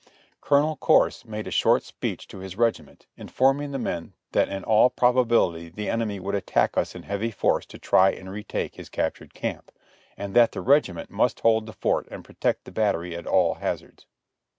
Colonel Corse made a short speech to his regiment, in forming the men that in all probability the enemy would attack us in heavy force to try and re take his captured camp, and that the regiment must hold the fort and protect the battery at all hazards.